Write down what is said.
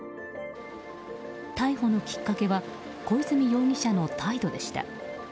逮捕のきっかけは小出水容疑者の態度でした。